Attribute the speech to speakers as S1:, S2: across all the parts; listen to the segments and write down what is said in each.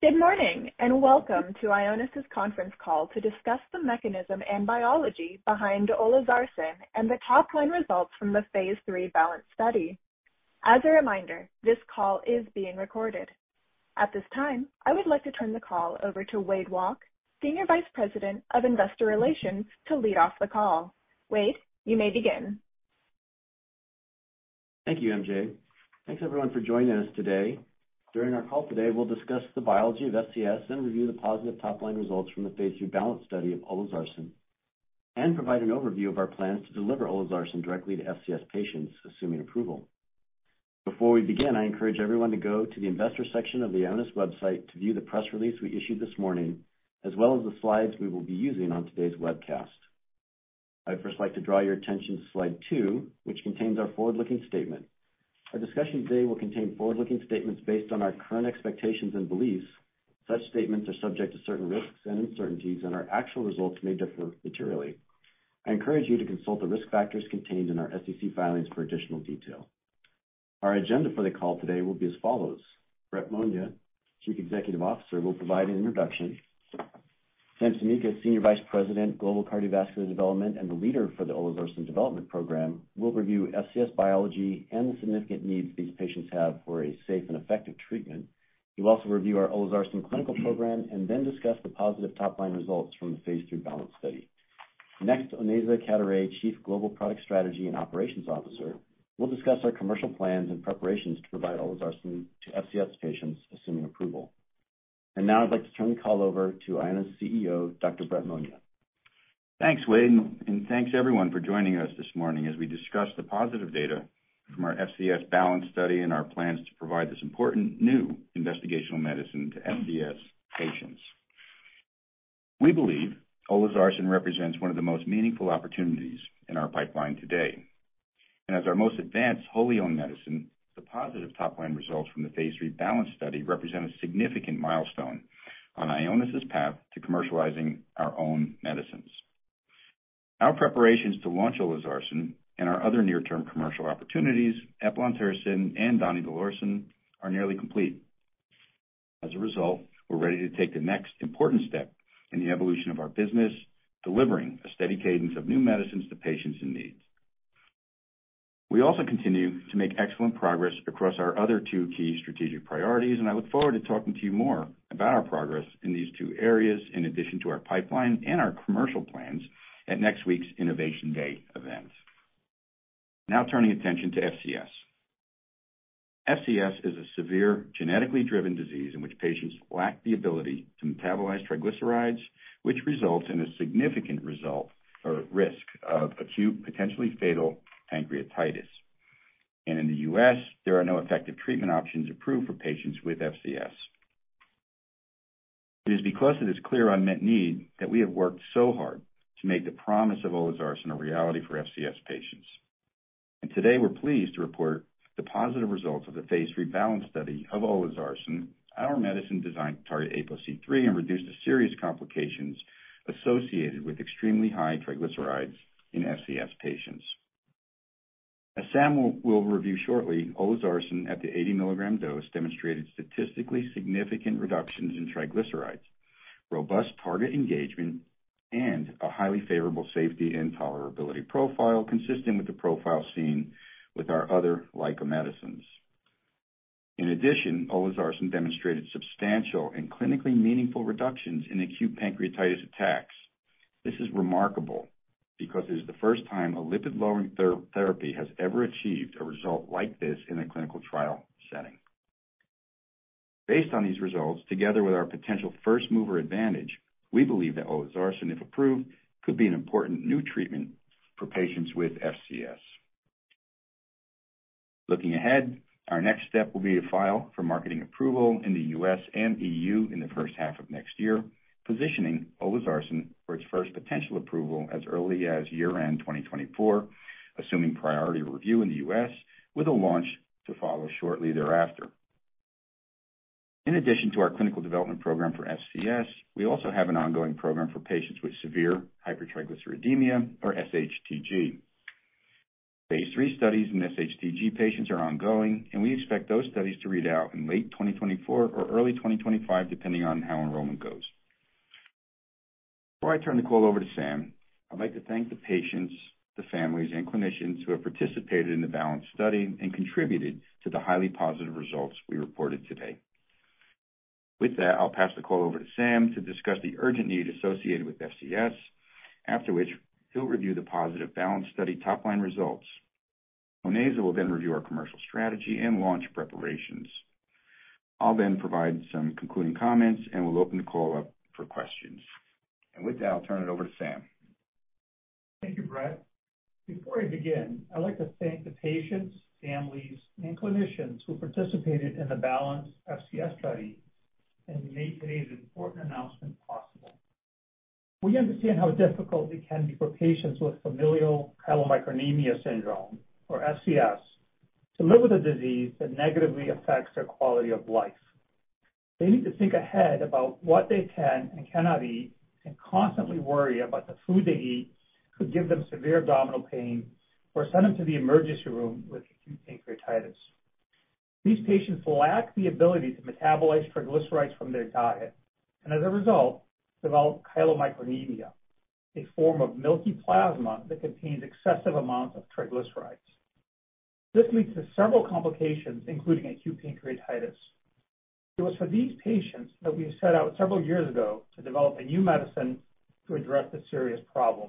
S1: Good morning, and welcome to Ionis's conference call to discuss the mechanism and biology behind olezarsen and the top-line results from the phase III BALANCE study. As a reminder, this call is being recorded. At this time, I would like to turn the call over to Wade Walke, Senior Vice President of Investor Relations, to lead off the call. Wade, you may begin.
S2: Thank you, MJ. Thanks, everyone, for joining us today. During our call today, we'll discuss the biology of FCS and review the positive top-line results from the phase II BALANCE study of olezarsen, and provide an overview of our plans to deliver olezarsen directly to FCS patients, assuming approval. Before we begin, I encourage everyone to go to the investor section of the Ionis website to view the press release we issued this morning, as well as the slides we will be using on today's webcast. I'd first like to draw your attention to slide two, which contains our forward-looking statement. Our discussion today will contain forward-looking statements based on our current expectations and beliefs. Such statements are subject to certain risks and uncertainties, and our actual results may differ materially. I encourage you to consult the risk factors contained in our SEC filings for additional detail. Our agenda for the call today will be as follows: Brett Monia, Chief Executive Officer, will provide an introduction. Sam Tsimikas, Senior Vice President, Global Cardiovascular Development, and the leader for the olezarsen development program, will review FCS biology and the significant needs these patients have for a safe and effective treatment. He'll also review our olezarsen clinical program and then discuss the positive top-line results from the phase III BALANCE study. Next, Onaiza Cadoret-Manier, Chief Global Product Strategy and Operations Officer, will discuss our commercial plans and preparations to provide olezarsen to FCS patients, assuming approval. And now I'd like to turn the call over to Ionis CEO, Dr. Brett Monia.
S3: Thanks, Wade, and thanks, everyone, for joining us this morning as we discuss the positive data from our FCS BALANCE study and our plans to provide this important new investigational medicine to FCS patients. We believe olezarsen represents one of the most meaningful opportunities in our pipeline today. As our most advanced wholly owned medicine, the positive top-line results from the phase III BALANCE study represent a significant milestone on Ionis's path to commercializing our own medicines. Our preparations to launch olezarsen and our other near-term commercial opportunities, eplontersen and donidalorsen, are nearly complete. As a result, we're ready to take the next important step in the evolution of our business, delivering a steady cadence of new medicines to patients in need. We also continue to make excellent progress across our other two key strategic priorities, and I look forward to talking to you more about our progress in these two areas, in addition to our pipeline and our commercial plans at next week's Innovation Day event. Now turning attention to FCS. FCS is a severe, genetically driven disease in which patients lack the ability to metabolize triglycerides, which results in a significant risk of acute, potentially fatal pancreatitis. In the U.S., there are no effective treatment options approved for patients with FCS. It is because of this clear unmet need that we have worked so hard to make the promise of olezarsen a reality for FCS patients. Today, we're pleased to report the positive results of the phase III BALANCE study of olezarsen, our medicine designed to target apoC-III and reduce the serious complications associated with extremely high triglycerides in FCS patients. As Sam will review shortly, olezarsen at the 80 milligram dose demonstrated statistically significant reductions in triglycerides, robust target engagement, and a highly favorable safety and tolerability profile, consistent with the profile seen with our other LICA medicines. In addition, olezarsen demonstrated substantial and clinically meaningful reductions in acute pancreatitis attacks. This is remarkable because it is the first time a lipid-lowering therapy has ever achieved a result like this in a clinical trial setting. Based on these results, together with our potential first-mover advantage, we believe that olezarsen, if approved, could be an important new treatment for patients with FCS. Looking ahead, our next step will be to file for marketing approval in the U.S. and E.U. in the first half of next year, positioning olezarsen for its first potential approval as early as year-end 2024, assuming priority review in the U.S., with a launch to follow shortly thereafter. In addition to our clinical development program for FCS, we also have an ongoing program for patients with severe hypertriglyceridemia, or sHTG. phase III studies in sHTG patients are ongoing, and we expect those studies to read out in late 2024 or early 2025, depending on how enrollment goes. Before I turn the call over to Sam, I'd like to thank the patients, the families, and clinicians who have participated in the BALANCE study and contributed to the highly positive results we reported today. With that, I'll pass the call over to Sam to discuss the urgent need associated with FCS, after which he'll review the positive BALANCE study top-line results. Onaiza will then review our commercial strategy and launch preparations. I'll then provide some concluding comments, and we'll open the call up for questions. And with that, I'll turn it over to Sam.
S4: Thank you, Brett. Before I begin, I'd like to thank the patients, families, and clinicians who participated in the BALANCE FCS study and made today's important announcement possible. We understand how difficult it can be for patients with familial chylomicronemia syndrome, or FCS, to live with a disease that negatively affects their quality of life. They need to think ahead about what they can and cannot eat and constantly worry about the food they eat could give them severe abdominal pain or sent into the emergency room with acute pancreatitis. These patients lack the ability to metabolize triglycerides from their diet, and as a result, develop chylomicronemia, a form of milky plasma that contains excessive amounts of triglycerides. This leads to several complications, including acute pancreatitis. It was for these patients that we set out several years ago to develop a new medicine to address this serious problem.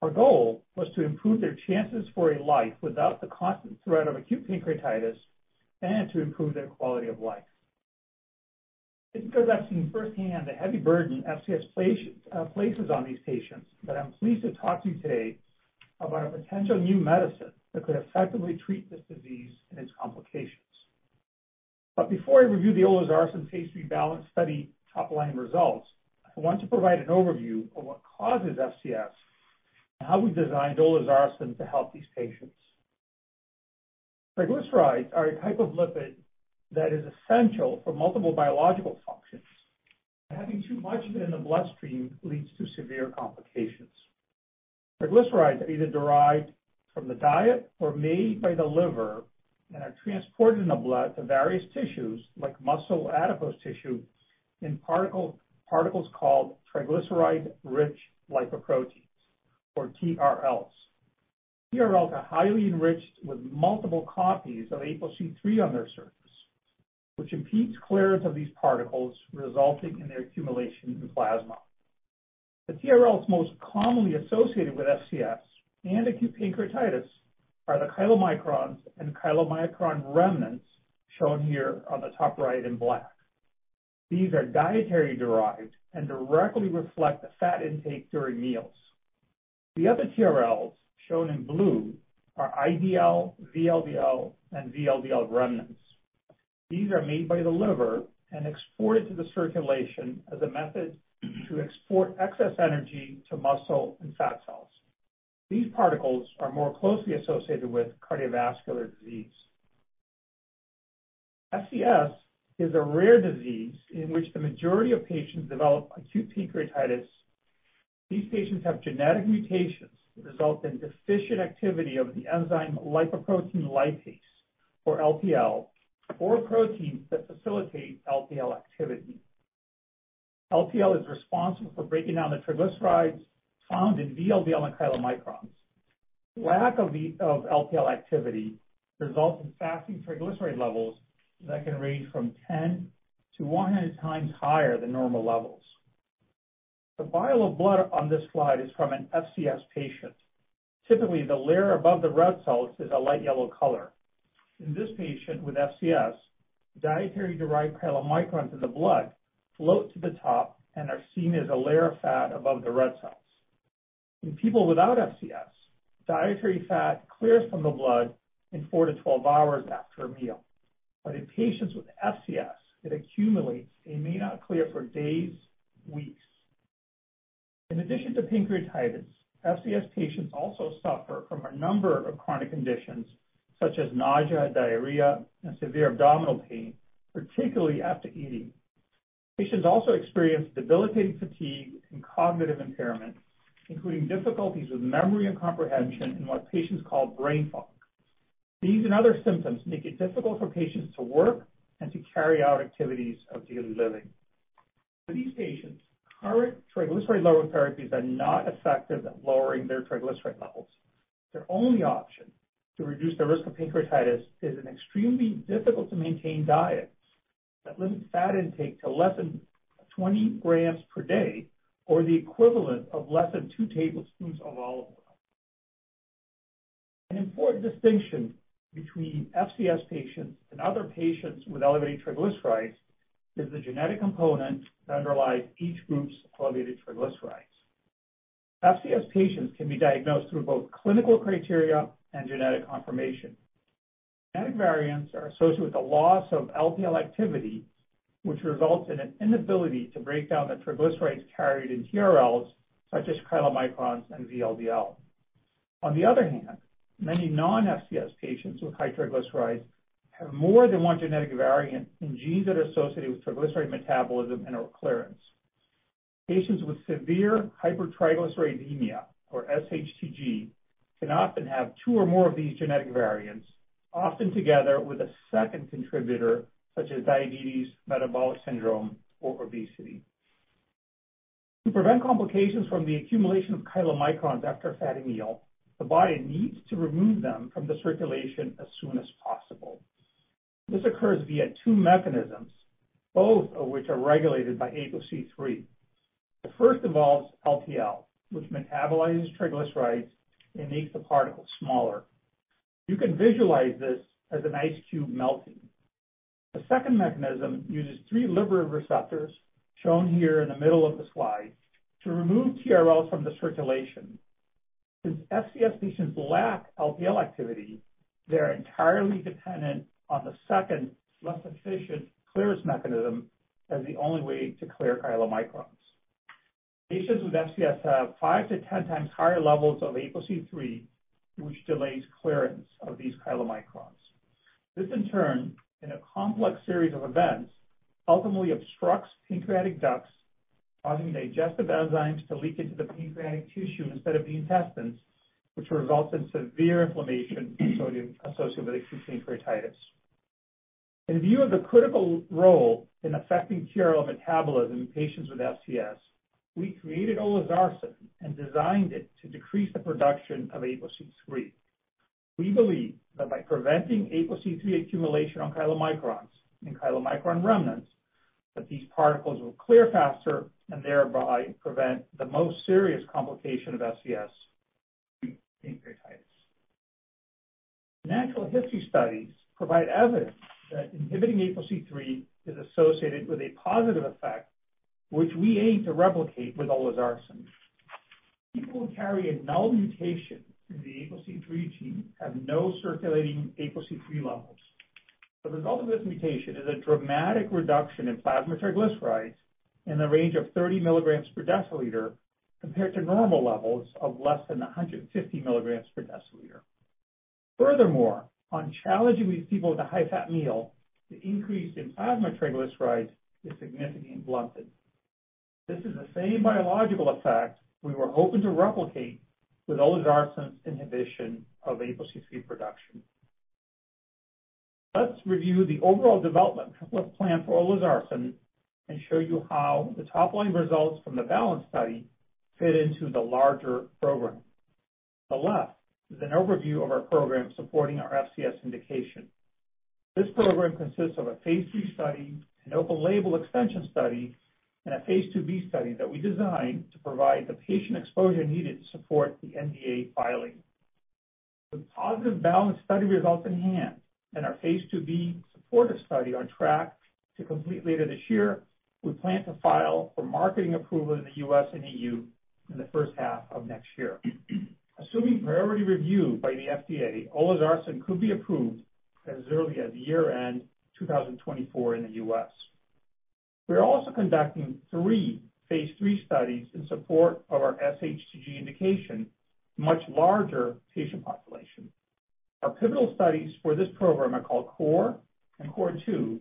S4: Our goal was to improve their chances for a life without the constant threat of acute pancreatitis and to improve their quality of life. It's because I've seen firsthand the heavy burden FCS places on these patients that I'm pleased to talk to you today about a potential new medicine that could effectively treat this disease and its complications. But before I review the olezarsen Phase III BALANCE study top-line results, I want to provide an overview of what causes FCS and how we designed olezarsen to help these patients. Triglycerides are a type of lipid that is essential for multiple biological functions, and having too much of it in the bloodstream leads to severe complications. Triglycerides are either derived from the diet or made by the liver and are transported in the blood to various tissues, like muscle adipose tissue, in particles called triglyceride-rich lipoproteins, or TRLs. TRLs are highly enriched with multiple copies of apoC-III on their surface, which impedes clearance of these particles, resulting in their accumulation in plasma. The TRLs most commonly associated with FCS and acute pancreatitis are the chylomicrons and chylomicron remnants, shown here on the top right in black. These are dietary-derived and directly reflect the fat intake during meals. The other TRLs, shown in blue, are IDL, VLDL, and VLDL remnants. These are made by the liver and exported to the circulation as a method to export excess energy to muscle and fat cells. These particles are more closely associated with cardiovascular disease. FCS is a rare disease in which the majority of patients develop acute pancreatitis. These patients have genetic mutations that result in deficient activity of the enzyme lipoprotein lipase, or LPL, or proteins that facilitate LPL activity. LPL is responsible for breaking down the triglycerides found in VLDL and chylomicrons. Lack of LPL activity results in fasting triglyceride levels that can range from 10-100 times higher than normal levels. The vial of blood on this slide is from an FCS patient. Typically, the layer above the red cells is a light yellow color. In this patient with FCS, dietary-derived chylomicrons in the blood float to the top and are seen as a layer of fat above the red cells. In people without FCS, dietary fat clears from the blood in 4 hours-12 hours after a meal. But in patients with FCS, it accumulates and may not clear for days, weeks. In addition to pancreatitis, FCS patients also suffer from a number of chronic conditions such as nausea, diarrhea, and severe abdominal pain, particularly after eating. Patients also experience debilitating fatigue and cognitive impairment, including difficulties with memory and comprehension in what patients call brain fog. These and other symptoms make it difficult for patients to work and to carry out activities of daily living. For these patients, current triglyceride-lowering therapies are not effective at lowering their triglyceride levels. Their only option to reduce the risk of pancreatitis is an extremely difficult-to-maintain diet that limits fat intake to less than 20 grams per day or the equivalent of less than 2 tablespoons of olive oil. An important distinction between FCS patients and other patients with elevated triglycerides is the genetic component that underlies each group's elevated triglycerides. FCS patients can be diagnosed through both clinical criteria and genetic confirmation. Genetic variants are associated with a loss of LPL activity, which results in an inability to break down the triglycerides carried in TRLs, such as chylomicrons and VLDL. On the other hand, many non-FCS patients with high triglycerides have more than one genetic variant in genes that are associated with triglyceride metabolism and/or clearance. Patients with severe hypertriglyceridemia, or sHTG, can often have two or more of these genetic variants, often together with a second contributor, such as diabetes, metabolic syndrome, or obesity. To prevent complications from the accumulation of chylomicrons after a fatty meal, the body needs to remove them from the circulation as soon as possible. This occurs via two mechanisms, both of which are regulated by apoC-III. The first involves LPL, which metabolizes triglycerides and makes the particles smaller. You can visualize this as an ice cube melting. The second mechanism uses three liver receptors, shown here in the middle of the slide, to remove TRLs from the circulation. Since FCS patients lack LPL activity, they are entirely dependent on the second, less efficient clearance mechanism as the only way to clear chylomicrons. Patients with FCS have 5-10 times higher levels of apoC-III, which delays clearance of these chylomicrons. This in turn, in a complex series of events, ultimately obstructs pancreatic ducts, causing digestive enzymes to leak into the pancreatic tissue instead of the intestines, which results in severe inflammation associated with acute pancreatitis. In view of the critical role in affecting chylomicron metabolism in patients with FCS, we created olezarsen and designed it to decrease the production of apoC-III. We believe that by preventing apoC-III accumulation on chylomicrons and chylomicron remnants, that these particles will clear faster and thereby prevent the most serious complication of FCS, acute pancreatitis. Natural history studies provide evidence that inhibiting apoC-III is associated with a positive effect, which we aim to replicate with olezarsen. People who carry a null mutation in the ApoC-III gene have no circulating apoC-III levels. The result of this mutation is a dramatic reduction in plasma triglycerides in the range of 30 milligrams per deciliter, compared to normal levels of less than 150 milligrams per deciliter. Furthermore, on challenging these people with a high-fat meal, the increase in plasma triglycerides is significantly blunted. This is the same biological effect we were hoping to replicate with olezarsen's inhibition of ApoC-III production. Let's review the overall development plan for olezarsen and show you how the top line results from the BALANCE study fit into the larger program. On the left is an overview of our program supporting our FCS indication. This program consists of a phase II study, an open label extension study, and a phase IIb study that we designed to provide the patient exposure needed to support the NDA filing. With positive BALANCE study results in hand and our phase IIb supportive study on track to complete later this year, we plan to file for marketing approval in the U.S. and E.U. in the first half of next year. Assuming priority review by the FDA, olezarsen could be approved as early as year-end 2024 in the U.S. We are also conducting three phase III studies in support of our sHTG indication, much larger patient population. Our pivotal studies for this program are called CORE and CORE2,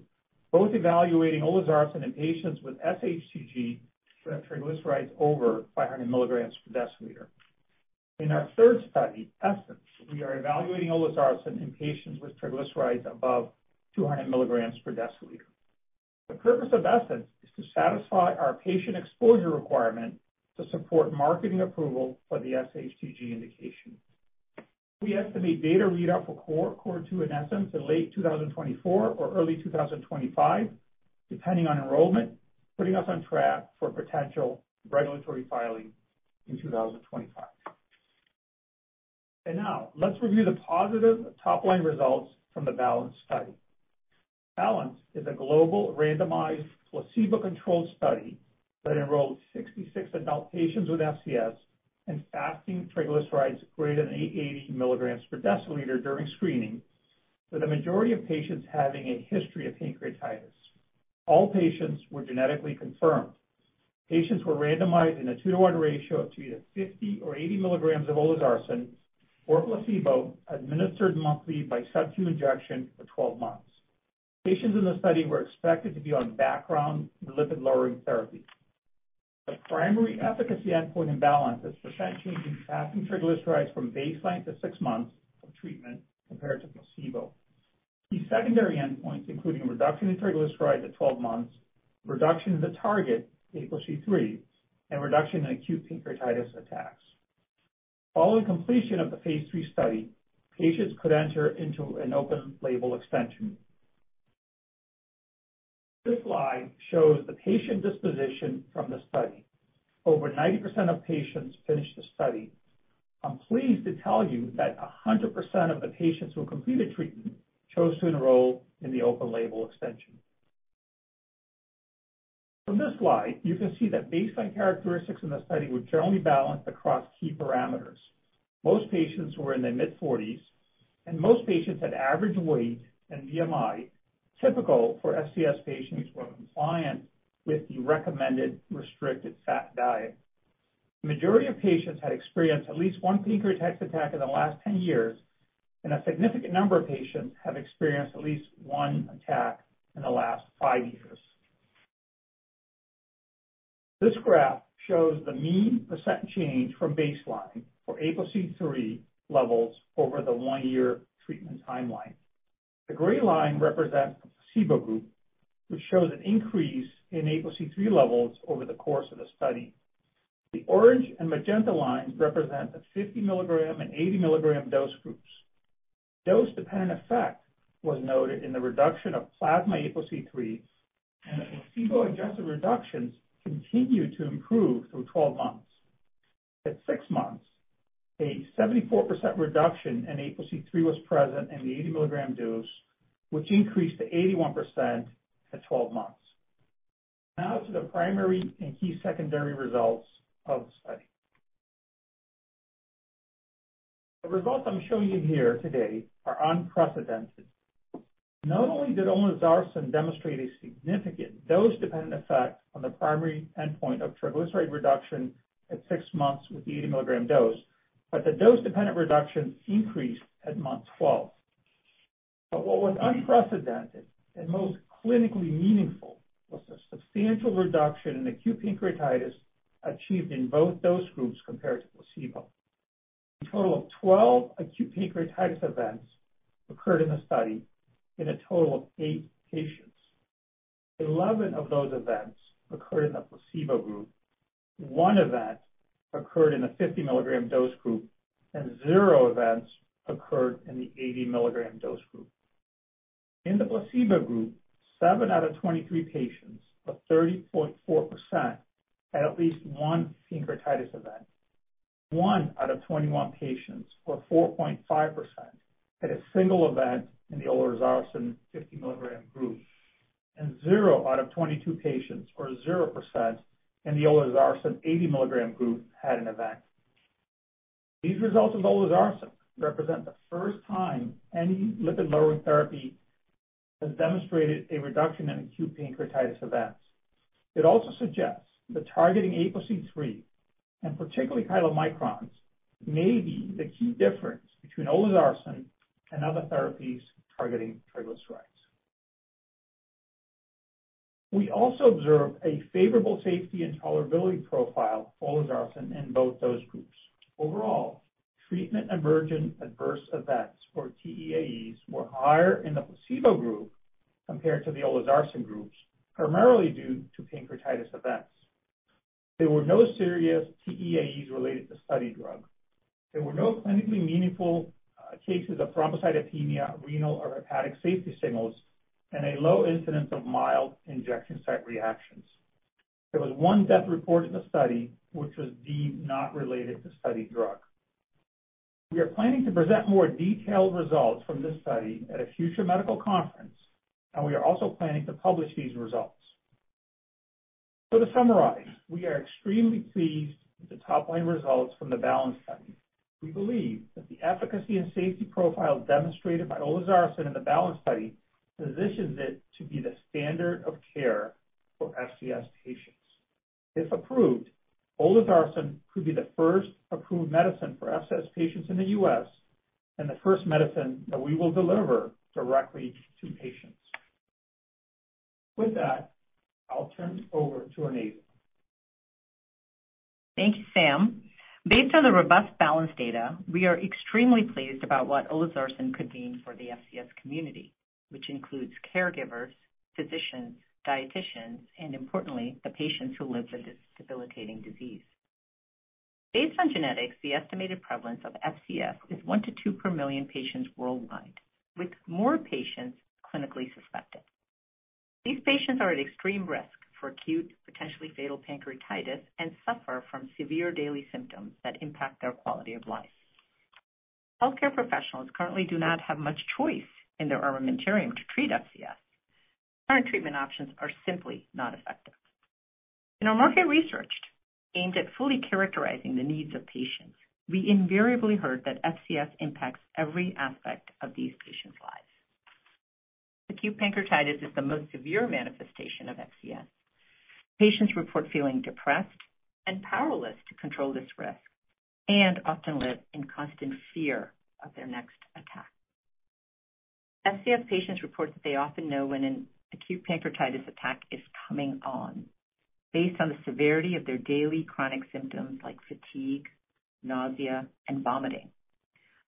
S4: both evaluating olezarsen in patients with sHTG who have triglycerides over 500 milligrams per deciliter. In our third study, ESSENCE, we are evaluating olezarsen in patients with triglycerides above 200 milligrams per deciliter. The purpose of ESSENCE is to satisfy our patient exposure requirement to support marketing approval for the sHTG indication. We estimate data readout for CORE, CORE2, and ESSENCE in late 2024 or early 2025, depending on enrollment, putting us on track for potential regulatory filing in 2025. And now let's review the positive top-line results from the BALANCE study. BALANCE is a global randomized, placebo-controlled study that enrolled 66 adult patients with FCS and fasting triglycerides greater than 880 milligrams per deciliter during screening, with the majority of patients having a history of pancreatitis. All patients were genetically confirmed. Patients were randomized in a 2:1 ratio to either 50 or 80 milligrams of olezarsen or placebo, administered monthly by Sub-Q injection for 12 months. Patients in the study were expected to be on background lipid-lowering therapy. The primary efficacy endpoint in BALANCE is percent change in fasting triglycerides from baseline to 6 months of treatment compared to placebo. Key secondary endpoints, including reduction in triglycerides at 12 months, reduction in the target ApoC-III, and reduction in acute pancreatitis attacks. Following completion of the phase III study, patients could enter into an open label extension. This slide shows the patient disposition from the study. Over 90% of patients finished the study. I'm pleased to tell you that 100% of the patients who completed treatment chose to enroll in the open label extension. From this slide, you can see that baseline characteristics in the study were generally balanced across key parameters. Most patients were in their mid-forties, and most patients had average weight and BMI, typical for FCS patients who are compliant with the recommended restricted fat diet. The majority of patients had experienced at least one pancreatitis attack in the last 10 years, and a significant number of patients have experienced at least one attack in the last 5 years. This graph shows the mean % change from baseline for apoC-III levels over the 1-year treatment timeline. The gray line represents the placebo group, which shows an increase in apoC-III levels over the course of the study. The orange and magenta lines represent the 50-milligram and 80-milligram dose groups. Dose-dependent effect was noted in the reduction of plasma apoC-III, and the placebo-adjusted reductions continued to improve through 12 months. At 6 months, a 74% reduction in ApoC-III was present in the 80-mg dose, which increased to 81% at 12 months. Now to the primary and key secondary results of the study. The results I'm showing you here today are unprecedented. Not only did olezarsen demonstrate a significant dose-dependent effect on the primary endpoint of triglyceride reduction at 6 months with the 80-mg dose. But the dose-dependent reduction increased at month 12. But what was unprecedented and most clinically meaningful was the substantial reduction in acute pancreatitis achieved in both those groups compared to placebo. A total of 12 acute pancreatitis events occurred in the study in a total of 8 patients. 11 of those events occurred in the placebo group. 1 event occurred in the 50-mg dose group, and 0 events occurred in the 80-mg dose group. In the placebo group, 7 out of 23 patients, or 30.4%, had at least one pancreatitis event. One out of 21 patients, or 4.5%, had a single event in the olezarsen 50-mg group, and zero out of 22 patients, or 0%, in the olezarsen 80-mg group had an event. These results of olezarsen represent the first time any lipid-lowering therapy has demonstrated a reduction in acute pancreatitis events. It also suggests that targeting apoC-III, and particularly chylomicrons, may be the key difference between olezarsen and other therapies targeting triglycerides. We also observed a favorable safety and tolerability profile for olezarsen in both those groups. Overall, treatment-emergent adverse events or TEAEs were higher in the placebo group compared to the olezarsen groups, primarily due to pancreatitis events. There were no serious TEAEs related to study drug. There were no clinically meaningful cases of thrombocytopenia, renal, or hepatic safety signals, and a low incidence of mild injection site reactions. There was one death reported in the study, which was deemed not related to study drug. We are planning to present more detailed results from this study at a future medical conference, and we are also planning to publish these results. So to summarize, we are extremely pleased with the top-line results from the BALANCE study. We believe that the efficacy and safety profile demonstrated by olezarsen in the BALANCE study positions it to be the standard of care for FCS patients. If approved, olezarsen could be the first approved medicine for FCS patients in the U.S. and the first medicine that we will deliver directly to patients. With that, I'll turn it over to Onaiza.
S5: Thank you, Sam. Based on the robust BALANCE data, we are extremely pleased about what olezarsen could mean for the FCS community, which includes caregivers, physicians, dietitians, and importantly, the patients who live with this debilitating disease. Based on genetics, the estimated prevalence of FCS is 1-2 per million patients worldwide, with more patients clinically suspected. These patients are at extreme risk for acute, potentially fatal pancreatitis and suffer from severe daily symptoms that impact their quality of life. Healthcare professionals currently do not have much choice in their armamentarium to treat FCS. Current treatment options are simply not effective. In our market research, aimed at fully characterizing the needs of patients, we invariably heard that FCS impacts every aspect of these patients' lives. Acute pancreatitis is the most severe manifestation of FCS. Patients report feeling depressed and powerless to control this risk and often live in constant fear of their next attack. FCS patients report that they often know when an acute pancreatitis attack is coming on, based on the severity of their daily chronic symptoms like fatigue, nausea, and vomiting.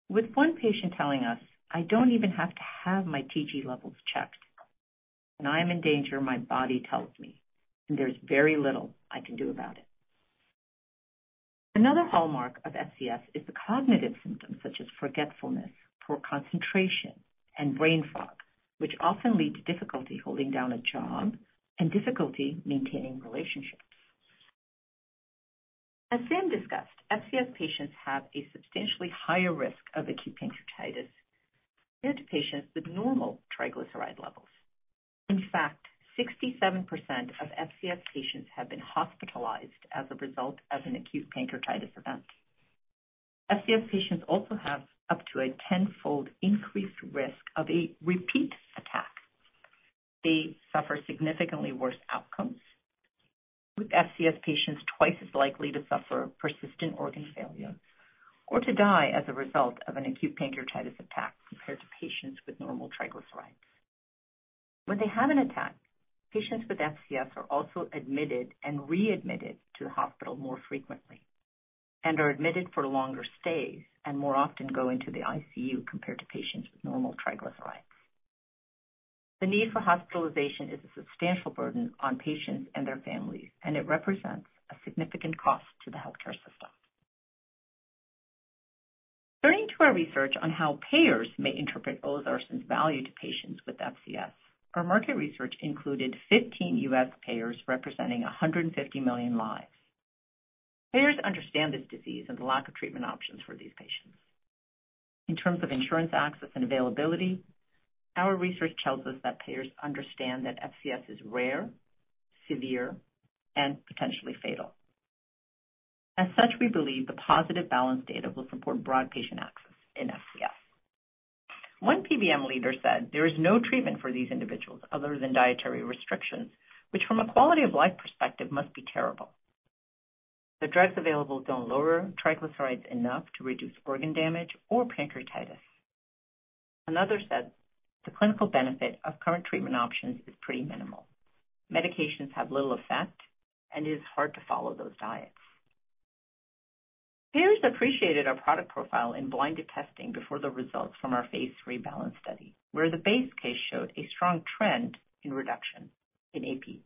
S5: With one patient telling us, "I don't even have to have my TG levels checked. When I am in danger, my body tells me, and there's very little I can do about it." Another hallmark of FCS is the cognitive symptoms such as forgetfulness, poor concentration, and brain fog, which often lead to difficulty holding down a job and difficulty maintaining relationships. As Sam discussed, FCS patients have a substantially higher risk of acute pancreatitis than to patients with normal triglyceride levels. In fact, 67% of FCS patients have been hospitalized as a result of an acute pancreatitis event. FCS patients also have up to a tenfold increased risk of a repeat attack. They suffer significantly worse outcomes, with FCS patients twice as likely to suffer persistent organ failure or to die as a result of an acute pancreatitis attack, compared to patients with normal triglycerides. When they have an attack, patients with FCS are also admitted and readmitted to the hospital more frequently and are admitted for longer stays and more often go into the ICU compared to patients with normal triglycerides. The need for hospitalization is a substantial burden on patients and their families, and it represents a significant cost to the healthcare system. Turning to our research on how payers may interpret olezarsen's value to patients with FCS, our market research included 15 U.S. payers representing 150 million lives. Payers understand this disease and the lack of treatment options for these patients. In terms of insurance access and availability, our research tells us that payers understand that FCS is rare, severe, and potentially fatal. As such, we believe the positive BALANCE data will support broad patient access in FCS... One PBM leader said there is no treatment for these individuals other than dietary restrictions, which, from a quality of life perspective, must be terrible. The drugs available don't lower triglycerides enough to reduce organ damage or pancreatitis. Another said, "The clinical benefit of current treatment options is pretty minimal. Medications have little effect, and it is hard to follow those diets." Payers appreciated our product profile in blinded testing before the results from our phase III BALANCE study, where the base case showed a strong trend in reduction in AP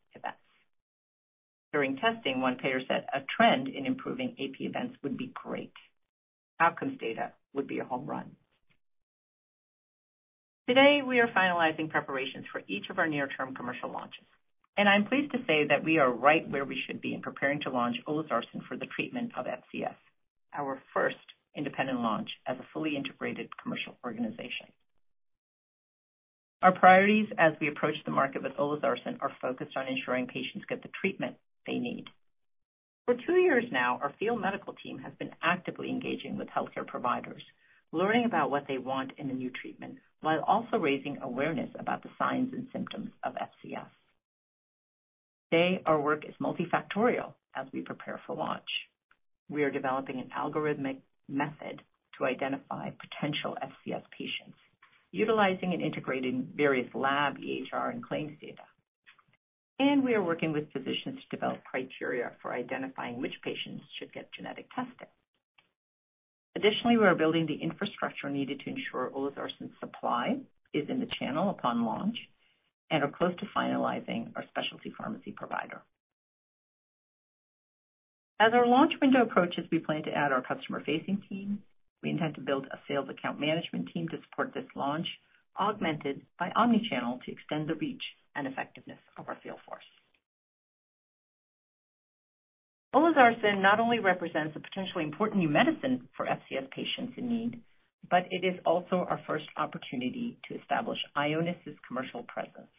S5: events. During testing, one payer said, "A trend in improving AP events would be great. Outcomes data would be a home run." Today, we are finalizing preparations for each of our near-term commercial launches, and I'm pleased to say that we are right where we should be in preparing to launch olezarsen for the treatment of FCS, our first independent launch as a fully integrated commercial organization. Our priorities as we approach the market with olezarsen are focused on ensuring patients get the treatment they need. For two years now, our field medical team has been actively engaging with healthcare providers, learning about what they want in a new treatment, while also raising awareness about the signs and symptoms of FCS. Today, our work is multifactorial as we prepare for launch. We are developing an algorithmic method to identify potential FCS patients, utilizing and integrating various lab, EHR, and claims data. We are working with physicians to develop criteria for identifying which patients should get genetic testing. Additionally, we are building the infrastructure needed to ensure olezarsen's supply is in the channel upon launch and are close to finalizing our specialty pharmacy provider. As our launch window approaches, we plan to add our customer-facing team. We intend to build a sales account management team to support this launch, augmented by omni-channel, to extend the reach and effectiveness of our sales force. Olezarsen not only represents a potentially important new medicine for FCS patients in need, but it is also our first opportunity to establish Ionis' commercial presence.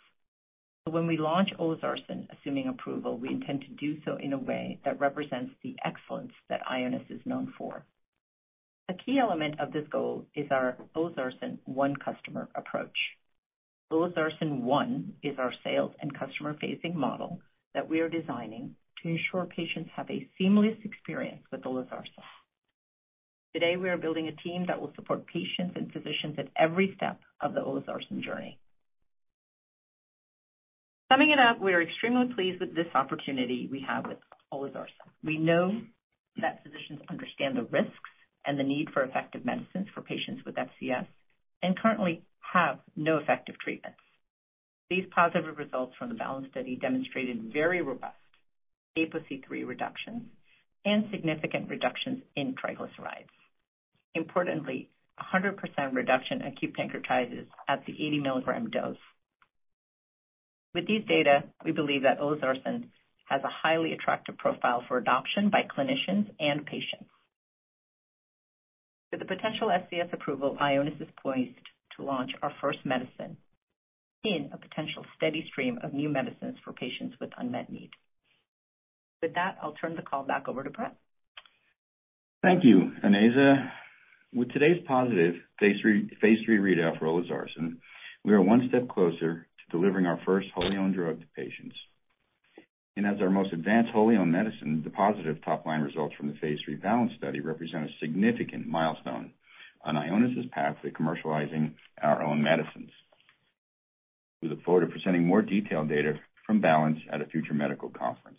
S5: So when we launch olezarsen, assuming approval, we intend to do so in a way that represents the excellence that Ionis is known for. A key element of this goal is our Olezarsen One customer approach. Olezarsen One is our sales and customer-facing model that we are designing to ensure patients have a seamless experience with olezarsen. Today, we are building a team that will support patients and physicians at every step of the olezarsen journey. Summing it up, we are extremely pleased with this opportunity we have with olezarsen. We know that physicians understand the risks and the need for effective medicines for patients with FCS and currently have no effective treatments. These positive results from the BALANCE study demonstrated very robust apoC-III reductions and significant reductions in triglycerides. Importantly, 100% reduction in acute pancreatitis at the 80-mg dose. With these data, we believe that olezarsen has a highly attractive profile for adoption by clinicians and patients. With the potential FCS approval, Ionis is poised to launch our first medicine in a potential steady stream of new medicines for patients with unmet needs. With that, I'll turn the call back over to Brett.
S3: Thank you, Onaiza. With today's positive phase III readout for olezarsen, we are one step closer to delivering our first wholly owned drug to patients. As our most advanced wholly owned medicine, the positive top-line results from the phase III BALANCE study represent a significant milestone on Ionis' path to commercializing our own medicines. We look forward to presenting more detailed data from BALANCE at a future medical conference.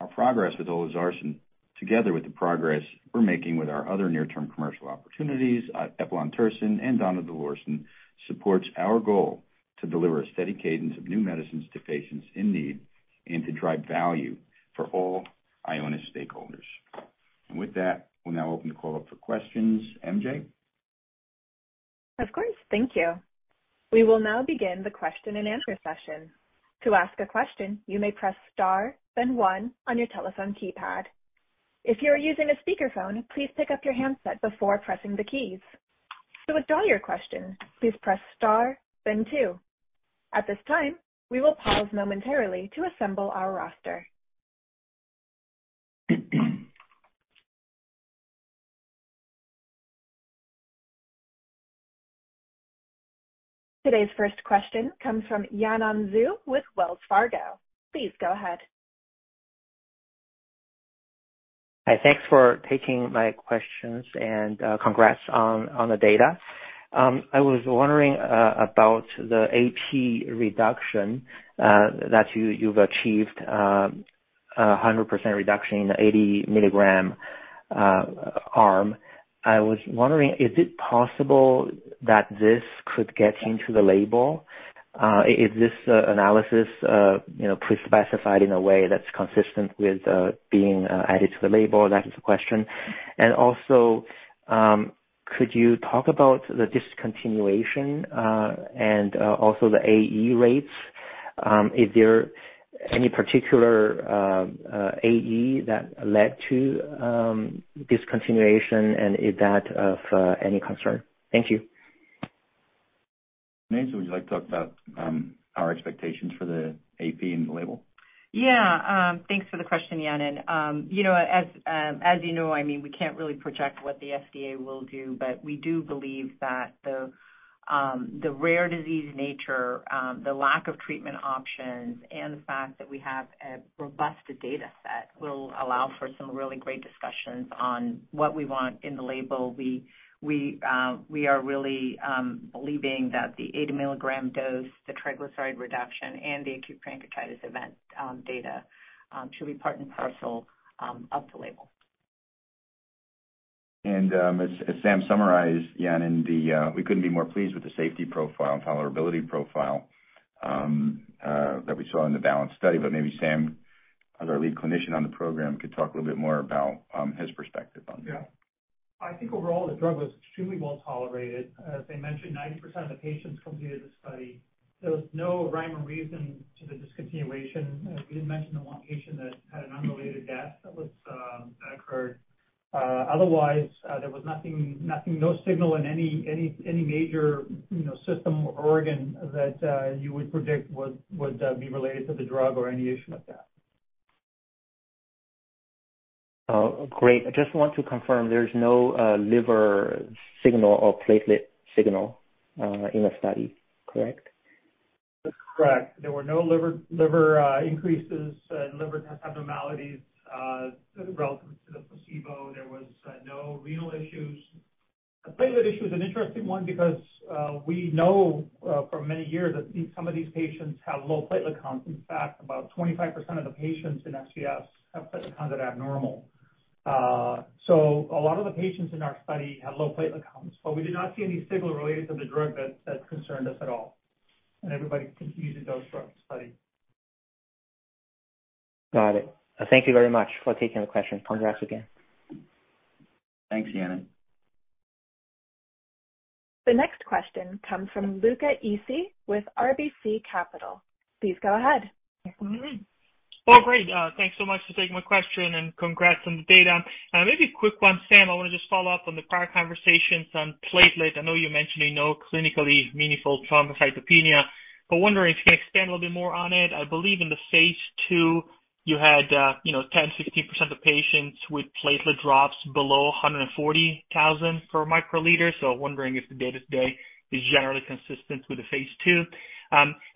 S3: Our progress with olezarsen, together with the progress we're making with our other near-term commercial opportunities, eplontersen and donidalorsen, supports our goal to deliver a steady cadence of new medicines to patients in need and to drive value for all Ionis stakeholders. With that, we'll now open the call up for questions. MJ?
S1: Of course. Thank you. We will now begin the question-and-answer session. To ask a question, you may press star, then one on your telephone keypad. If you are using a speakerphone, please pick up your handset before pressing the keys. To withdraw your question, please press star, then two. At this time, we will pause momentarily to assemble our roster. Today's first question comes from Yanan Zhu with Wells Fargo. Please go ahead.
S6: Hi, thanks for taking my questions, and congrats on the data. I was wondering about the AP reduction that you've achieved, 100% reduction in the 80 milligram arm. I was wondering, is it possible that this could get into the label? Is this analysis, you know, pre-specified in a way that's consistent with being added to the label? That is the question. And also, could you talk about the discontinuation and also the AE rates? Is there any particular AE that led to discontinuation, and is that of any concern? Thank you.
S3: Would you like to talk about our expectations for the AP and the label?
S5: Yeah. Thanks for the question, Yanan. You know, as, as you know, I mean, we can't really project what the FDA will do, but we do believe that the, the rare disease nature, the lack of treatment options, and the fact that we have a robust data set, will allow for some really great discussions on what we want in the label. We are really believing that the 80 milligram dose, the triglyceride reduction, and the acute pancreatitis event, data, should be part and parcel, of the label.
S3: And, as Sam summarized, Yanan, we couldn't be more pleased with the safety profile and tolerability profile that we saw in the BALANCE study. But maybe Sam, as our lead clinician on the program, could talk a little bit more about his perspective on that.
S4: Yeah. I think overall, the drug was extremely well tolerated. As I mentioned, 90% of the patients completed the study. There was no rhyme or reason to the discontinuation. We did mention the one patient that had an unrelated death that was, that occurred. Otherwise, there was nothing, nothing, no signal in any, any, any major, you know, system or organ that you would predict would, would be related to the drug or any issue like that.
S6: Oh, great. I just want to confirm, there's no liver signal or platelet signal in the study, correct?
S4: That's correct. There were no liver increases in liver test abnormalities relative to the placebo. There was no renal issues. The platelet issue is an interesting one because we know for many years that these, some of these patients have low platelet counts. In fact, about 25% of the patients in FCS have platelet counts that are abnormal. So a lot of the patients in our study had low platelet counts, but we did not see any signal related to the drug that concerned us at all, and everybody continued the dose for our study.
S6: Got it. Thank you very much for taking the question. Congrats again.
S3: Thanks, Yanan.
S1: The next question comes from Luca Issi with RBC Capital. Please go ahead.
S7: Mm-hmm. Well, great. Thanks so much for taking my question, and congrats on the data. Maybe a quick one, Sam. I want to just follow up on the prior conversations on platelet. I know you mentioned you know clinically meaningful thrombocytopenia, but wondering if you can expand a little bit more on it. I believe in the phase II, you had, you know, 10%-16% of patients with platelet drops below 140,000 per microliter. So wondering if the data today is generally consistent with the phase II.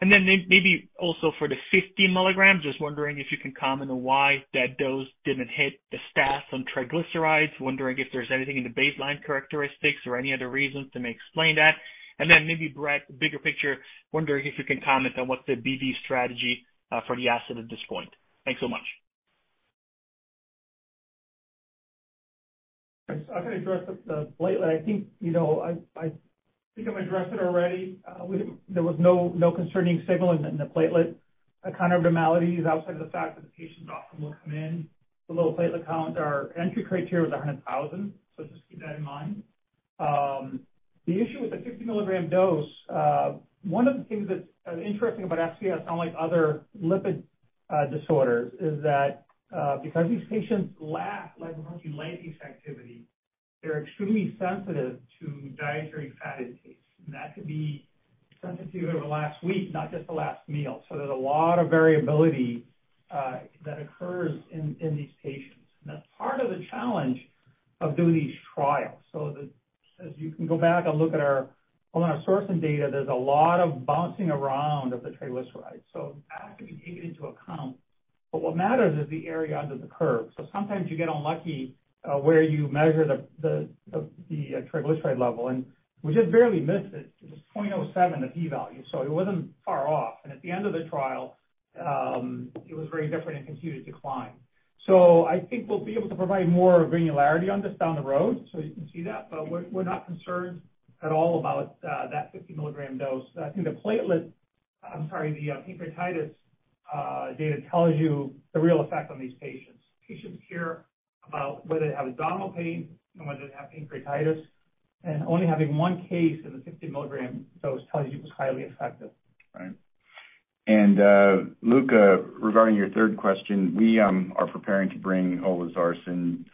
S7: And then maybe also for the 50 milligrams, just wondering if you can comment on why that dose didn't hit the stats on triglycerides. Wondering if there's anything in the baseline characteristics or any other reasons that may explain that. Then maybe, Brett, bigger picture, wondering if you can comment on what's the BD strategy for the asset at this point? Thanks so much.
S4: I can address the platelet. I think, you know, I think I've addressed it already. There was no concerning signal in the platelet kind of abnormalities outside of the fact that the patients often will come in with a low platelet count. Our entry criteria was 100,000, so just keep that in mind. The issue with the 50 mg dose, one of the things that's interesting about FCS, unlike other lipid disorders, is that because these patients lack lipoprotein lipase activity, they're extremely sensitive to dietary fat intake. And that could be sensitive over the last week, not just the last meal. So there's a lot of variability that occurs in these patients. And that's part of the challenge of doing these trials. So as you can go back and look at our sourcing data, there's a lot of bouncing around of the triglycerides, so that can be taken into account. But what matters is the area under the curve. So sometimes you get unlucky where you measure the triglyceride level, and we just barely missed it. It was 0.07, the P value, so it wasn't far off. And at the end of the trial, it was very different and continued to decline. So I think we'll be able to provide more granularity on this down the road, so you can see that, but we're not concerned at all about that 50 milligram dose. I think the platelet—I'm sorry, the pancreatitis data tells you the real effect on these patients. Patients care about whether they have abdominal pain and whether they have pancreatitis, and only having one case in the 50 milligram dose tells you it was highly effective.
S3: Right. And, Luca, regarding your third question, we are preparing to bring olezarsen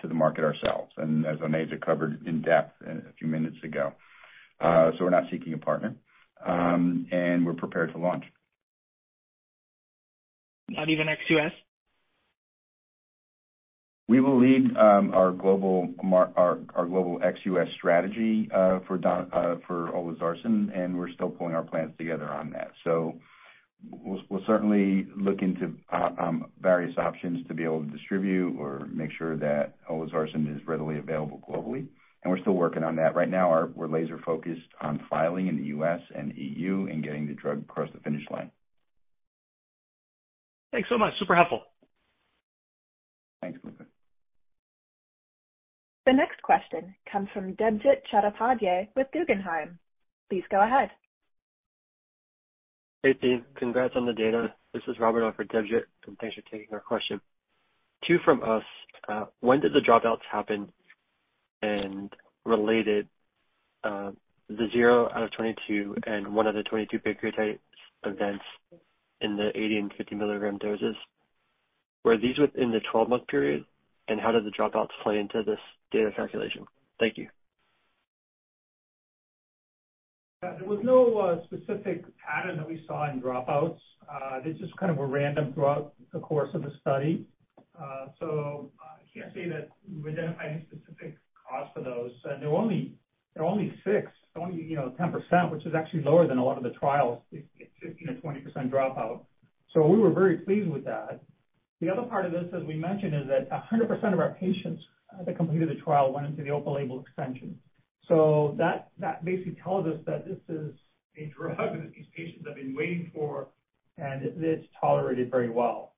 S3: to the market ourselves, and as Onaiza covered in depth a few minutes ago. So we're not seeking a partner, and we're prepared to launch.
S7: Not even ex-U.S.?
S3: We will lead our global ex U.S. strategy for olezarsen, and we're still pulling our plans together on that. So we'll certainly look into various options to be able to distribute or make sure that olezarsen is readily available globally, and we're still working on that. Right now, we're laser focused on filing in the U.S. and EU and getting the drug across the finish line.
S7: Thanks so much. Super helpful.
S3: Thanks, Luca.
S1: The next question comes from Debjit Chattopadhyay with Guggenheim. Please go ahead.
S8: Hey, team. Congrats on the data. This is Robert on for Debjit, and thanks for taking our question. 2 from us. When did the dropouts happen? And related, the 0 out of 22 and 1 of the 22 pancreatitis events in the 80- and 50-milligram doses. Were these within the 12-month period? And how did the dropouts play into this data calculation? Thank you.
S4: There was no specific pattern that we saw in dropouts. They just kind of were random throughout the course of the study. So I can't say that we identified any specific cause for those. And there were only—there were only six, only, you know, 10%, which is actually lower than a lot of the trials, 15%-20% dropout. So we were very pleased with that. The other part of this, as we mentioned, is that 100% of our patients that completed the trial went into the open label extension. So that, that basically tells us that this is a drug that these patients have been waiting for, and it's tolerated very well.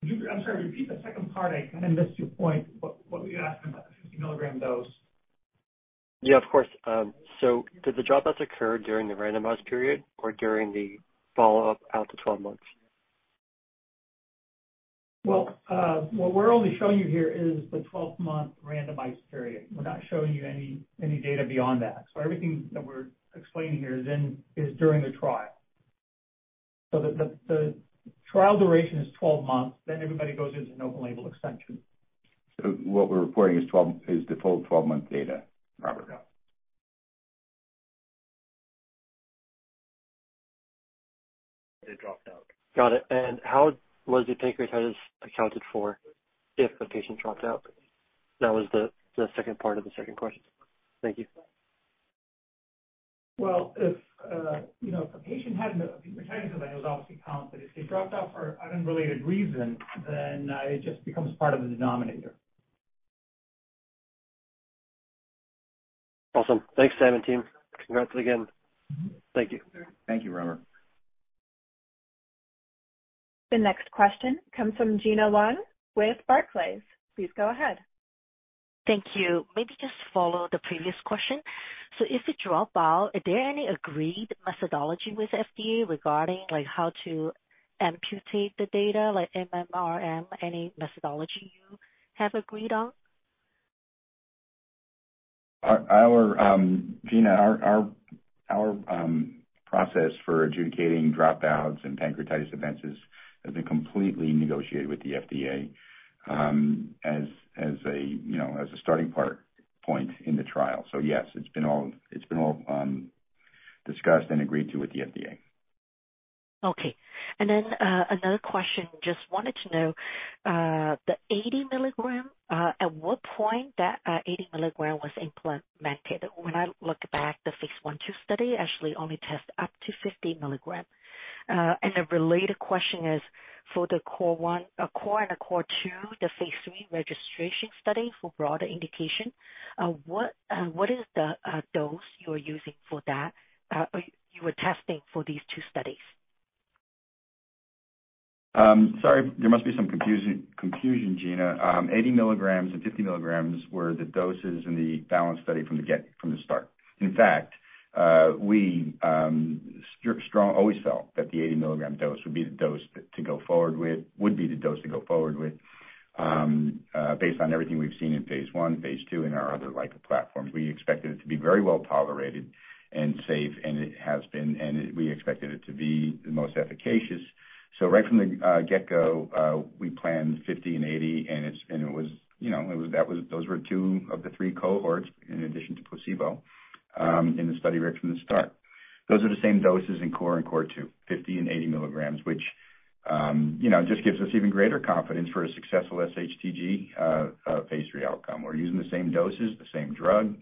S4: Could you, I'm sorry, repeat the second part? I kind of missed your point. What, what were you asking about the 50 milligram dose?
S8: Yeah, of course. So did the dropouts occur during the randomized period or during the follow-up out to 12 months?
S4: Well, what we're only showing you here is the 12-month randomized period. We're not showing you any data beyond that. So everything that we're explaining here is during the trial. So the trial duration is 12 months, then everybody goes into an open label extension.
S3: So what we're reporting is the full 12-month data, Robert.
S4: They dropped out.
S8: Got it. And how was the pancreatitis accounted for if a patient dropped out? That was the second part of the second question. Thank you.
S4: Well, if, you know, if a patient had pancreatitis, then it was obviously counted. But if they dropped out for an unrelated reason, then, it just becomes part of the denominator.
S8: Awesome. Thanks, Sam, and team. Congrats again. Thank you.
S3: Thank you, Robert.
S1: The next question comes from Gena Wang with Barclays. Please go ahead.
S9: Thank you. Maybe just follow the previous question. So if they drop out, are there any agreed methodology with FDA regarding, like, how to impute the data, like MMRM, any methodology you have agreed on?
S3: Gina, our process for adjudicating dropouts and pancreatitis events has been completely negotiated with the FDA, you know, as a starting point in the trial. So yes, it's all been discussed and agreed to with the FDA.
S9: Okay. Another question. Just wanted to know, the 80 milligram, at what point that 80 milligram was implemented? When I look back, the phase I/II study actually only test up to 50 milligram. And a related question is, for the CORE, CORE2, the phase III registration study for broader indication, what is the dose you are using for that, or you were testing for these two studies?
S3: Sorry, there must be some confusion, Gina. 80 milligrams and 50 milligrams were the doses in the balance study from the start. In fact, we stood strong, always felt that the 80 milligram dose would be the dose to go forward with, would be the dose to go forward with. Based on everything we've seen in phase I, phase II, and our other LICA platforms, we expected it to be very well tolerated and safe, and it, we expected it to be the most efficacious. So right from the get-go, we planned 50 and 80, and it was, you know, it was, that was, those were two of the three cohorts, in addition to placebo, in the study right from the start. Those are the same doses in CORE and CORE2, 50 and 80 milligrams, which, you know, just gives us even greater confidence for a successful sHTG, phase III outcome. We're using the same doses, the same drug,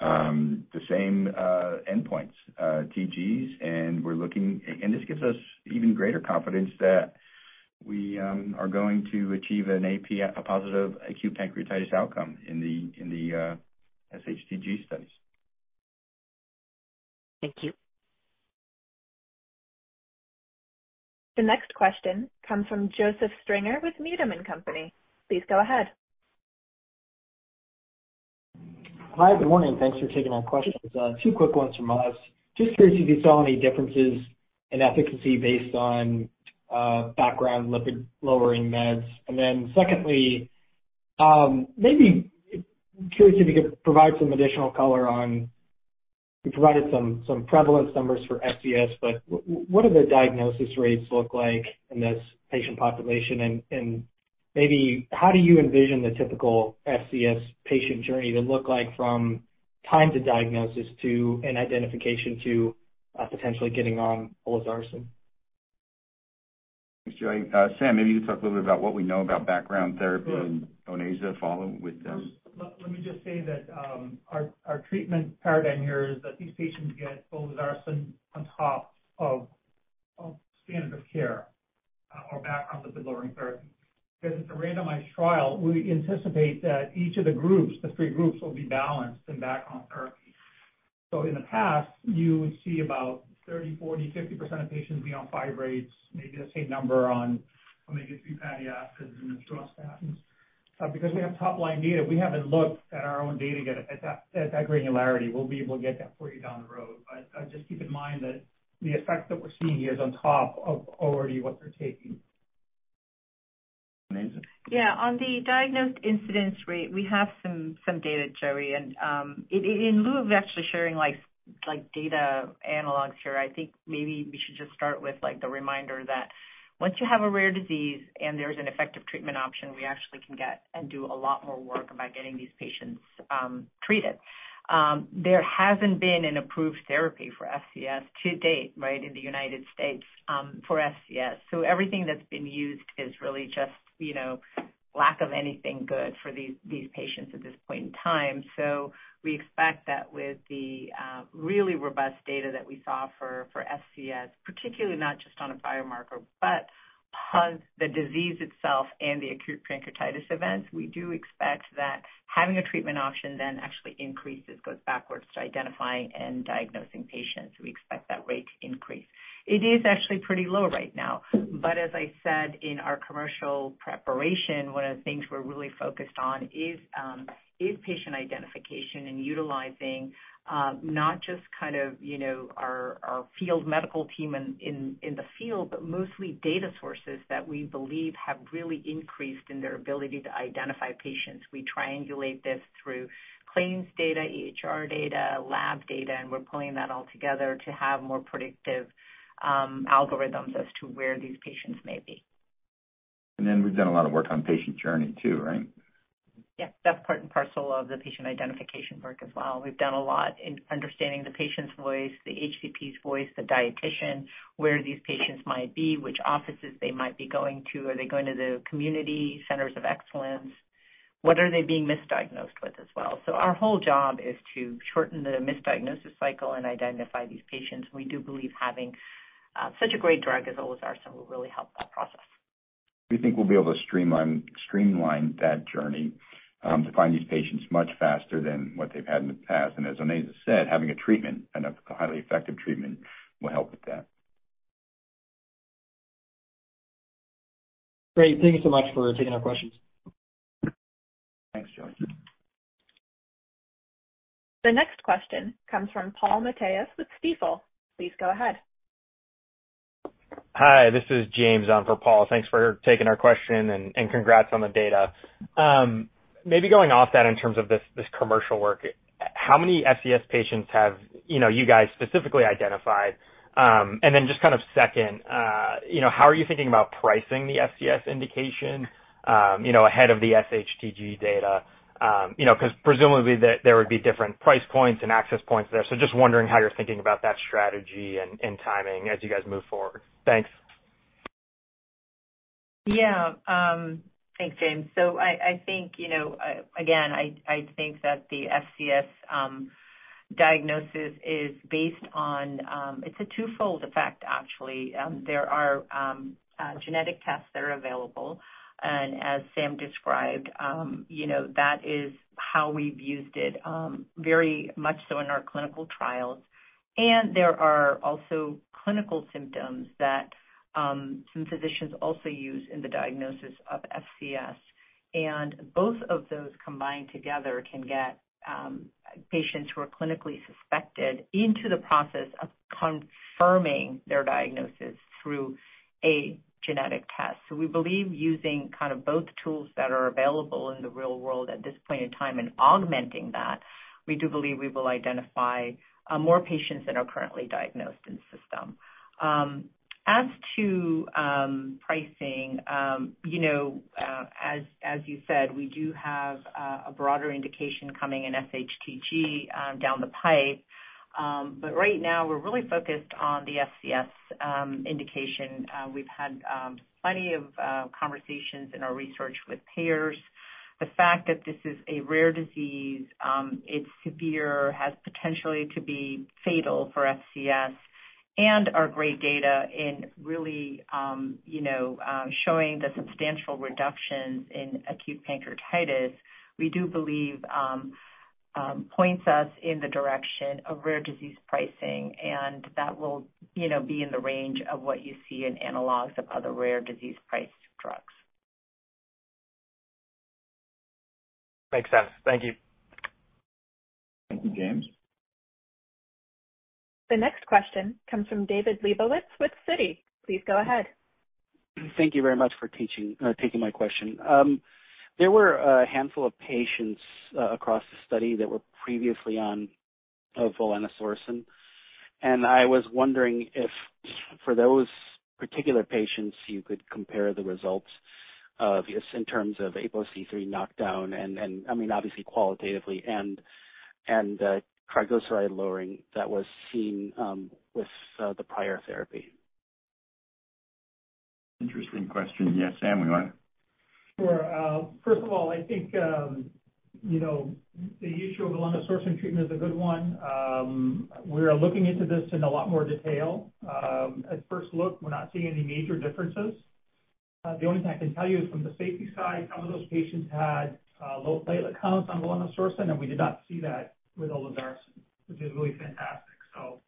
S3: the same, endpoints, TGs, and we're looking... and this gives us even greater confidence that we, are going to achieve an AP, a positive acute pancreatitis outcome in the, in the, sHTG studies.
S9: Thank you.
S1: The next question comes from Joseph Stringer with Needham and Company. Please go ahead.
S10: Hi, good morning. Thanks for taking our questions. Two quick ones from us. Just curious if you saw any differences in efficacy based on background lipid-lowering meds. And then secondly, maybe curious if you could provide some additional color on, you provided some prevalence numbers for FCS, but what do the diagnosis rates look like in this patient population? And maybe how do you envision the typical FCS patient journey to look like from time to diagnosis to an identification to potentially getting on olezarsen?
S3: Thanks, Joe. Sam, maybe you can talk a little bit about what we know about background therapy-
S4: Sure.
S3: and Onaiza follow with them.
S4: Let me just say that our treatment paradigm here is that these patients get olezarsen on top of standard of care or background lipid-lowering therapy. Because it's a randomized trial, we anticipate that each of the groups, the three groups, will be balanced in background therapy. In the past, you would see about 30, 40, 50% of patients be on fibrates, maybe the same number on omega-3 fatty acids and statins. Because we have top-line data, we haven't looked at our own data yet at that granularity. We'll be able to get that for you down the road. But just keep in mind that the effect that we're seeing here is on top of already what they're taking.
S5: Yeah, on the diagnosed incidence rate, we have some data, Joey. And, in lieu of actually sharing like data analogs here, I think maybe we should just start with, like, the reminder that once you have a rare disease and there's an effective treatment option, we actually can get and do a lot more work about getting these patients treated. There hasn't been an approved therapy for FCS to date, right, in the United States, for FCS. So everything that's been used is really just, you know, lack of anything good for these patients at this point in time. So we expect that with the really robust data that we saw for FCS, particularly not just on a biomarker, but per the disease itself and the acute pancreatitis events, we do expect that having a treatment option then actually increases, goes backwards, to identifying and diagnosing patients. We expect that rate to increase. It is actually pretty low right now, but as I said in our commercial preparation, one of the things we're really focused on is patient identification and utilizing not just kind of, you know, our field medical team in the field, but mostly data sources that we believe have really increased in their ability to identify patients. We triangulate this through claims data, EHR data, lab data, and we're pulling that all together to have more predictive algorithms as to where these patients may be.
S3: We've done a lot of work on patient journey too, right?
S5: Yes, that's part and parcel of the patient identification work as well. We've done a lot in understanding the patient's voice, the HCP's voice, the dietician, where these patients might be, which offices they might be going to. Are they going to the community centers of excellence? What are they being misdiagnosed with as well? So our whole job is to shorten the misdiagnosis cycle and identify these patients. We do believe having such a great drug as olezarsen will really help that process.
S3: We think we'll be able to streamline, streamline that journey to find these patients much faster than what they've had in the past. As Onaiza said, having a treatment and a highly effective treatment will help with that.
S10: Great. Thank you so much for taking our questions.
S3: Thanks, Joey.
S1: The next question comes from Paul Matteis with Stifel. Please go ahead.
S11: Hi, this is James on for Paul. Thanks for taking our question, and congrats on the data. Maybe going off that in terms of this commercial work, how many FCS patients have you guys specifically identified? And then just kind of second, you know, how are you thinking about pricing the FCS indication, you know, 'cause presumably there would be different price points and access points there. So just wondering how you're thinking about that strategy and timing as you guys move forward. Thanks.
S5: Yeah. Thanks, James. So I think, you know, again, I think that the FCS diagnosis is based on... It's a twofold effect, actually. There are genetic tests that are available, and as Sam described, you know, that is how we've used it, very much so in our clinical trials. And there are also clinical symptoms that some physicians also use in the diagnosis of FCS. And both of those combined together can get patients who are clinically suspected into the process of confirming their diagnosis through a genetic test. So we believe using kind of both tools that are available in the real world at this point in time and augmenting that, we do believe we will identify more patients that are currently diagnosed in the system. As to pricing, you know, as you said, we do have a broader indication coming in sHTG down the pipe. But right now, we're really focused on the FCS indication. We've had plenty of conversations in our research with payers. The fact that this is a rare disease, it's severe, has potentially to be fatal for FCS, and our great data in really you know showing the substantial reductions in acute pancreatitis, we do believe points us in the direction of rare disease pricing, and that will, you know, be in the range of what you see in analogs of other rare disease-priced drugs.
S11: Makes sense. Thank you.
S3: Thank you, James.
S1: The next question comes from David Lebowitz with Citi. Please go ahead.
S12: Thank you very much for taking my question. There were a handful of patients across the study that were previously on volanesorsen, and I was wondering if for those particular patients, you could compare the results of, just in terms of ApoC-III knockdown, and then, I mean, obviously qualitatively, and triglyceride lowering that was seen with the prior therapy.
S3: Interesting question. Yes, Sam, we want to?
S4: Sure. First of all, I think, you know, the issue of volanesorsen treatment is a good one. We are looking into this in a lot more detail. At first look, we're not seeing any major differences. The only thing I can tell you is from the safety side, some of those patients had low platelet counts on volanesorsen, and we did not see that with olezarsen, which is really fantastic. So,